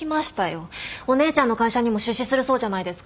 お姉ちゃんの会社にも出資するそうじゃないですか。